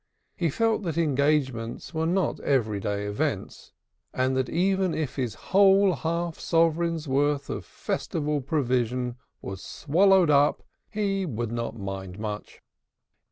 He felt that engagements were not every day events, and that even if his whole half sovereign's worth of festive provision was swallowed up, he would not mind much.